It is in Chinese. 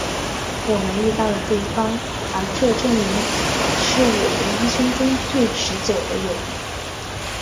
我们遇到了对方而这证明是我一生中最持久的友谊。